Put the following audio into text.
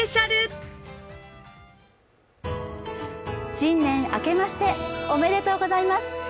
新年明けましておめでとうございます。